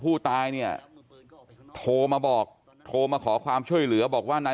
ผู้ตายเนี่ยโทรมาบอกโทรมาขอความช่วยเหลือบอกว่านาย